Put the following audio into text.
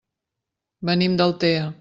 Venim d'Altea.